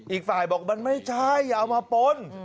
อีกฝ่ายบอกมันไม่ใช่อย่าเอามาปน